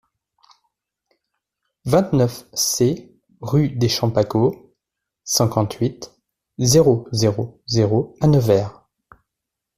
vingt-neuf C rue des Champs Pacaud, cinquante-huit, zéro zéro zéro à Nevers